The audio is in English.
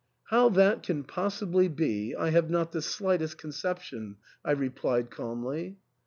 " How that can possibly be I have not the slightest conception," I replied calmly.